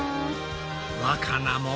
わかなも。